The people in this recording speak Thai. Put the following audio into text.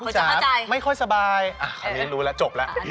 ไม่ค่อยสบายอันนี้รู้แล้วจบแล้ว